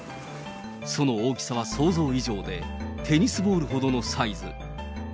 その大きさは想像以上で、テニスボールほどのサイズ。